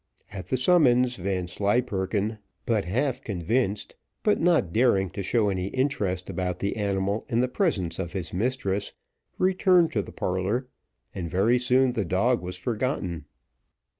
At the summons, Vanslyperken but half convinced, but not daring to show any interest about the animal in the presence of his mistress, returned to the parlour, and very soon the dog was forgotten.